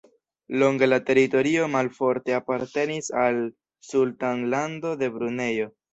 Longe la teritorio malforte apartenis al Sultanlando de Brunejo.